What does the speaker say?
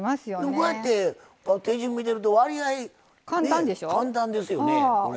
こうやって手順見てると割合簡単ですよね。